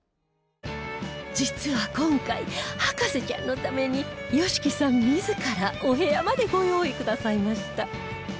実は今回博士ちゃんのために ＹＯＳＨＩＫＩ さん自らお部屋までご用意くださいました